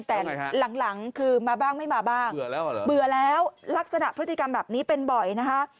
แต่หลังคือมาบ้างไม่มาบ้างเบื่อแล้วลักษณะพฤติกรรมแบบนี้เป็นบ่อยนะคะ